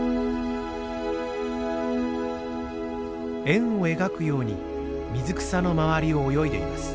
円を描くように水草の周りを泳いでいます。